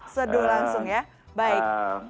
seduh langsung ya baik